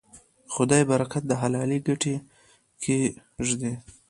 خدای برکت د حلالې ګټې کې ږدي.